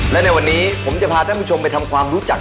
และในวันนี้ผมจะพาท่านผู้ชมไปทำความรู้จัก